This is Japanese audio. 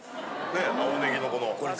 ねえ青ネギのこの。